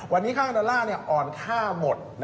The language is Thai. วันนี้ค่าดอลลาร์อ่อนค่าหมด